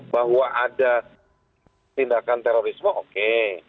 bahwa ada tindakan terorisme oke